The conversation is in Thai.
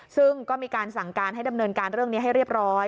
ซึ่งก็มีการสั่งการให้ดำเนินการเรื่องนี้ให้เรียบร้อย